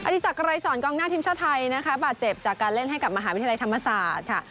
ดีสักรายสอนกองหน้าทีมชาติไทยนะคะบาดเจ็บจากการเล่นให้กับมหาวิทยาลัยธรรมศาสตร์ค่ะ